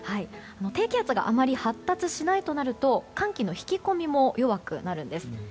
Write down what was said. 低気圧があまり発達しないとなると寒気の引き込みも弱くなるんです。